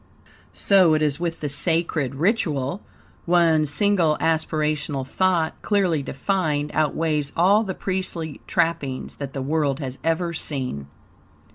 So it is with the sacred ritual. One single aspirational thought, clearly defined, outweighs all the priestly trappings that the world has ever seen.